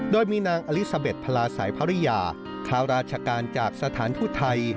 โดยมีนางอลิซาเบ็ดพลาสัยภรรยาข้าราชการจากสถานทูตไทย